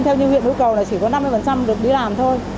theo như huyện hữu cầu là chỉ có năm mươi được đi làm thôi